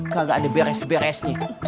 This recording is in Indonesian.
gak ada beres beresnya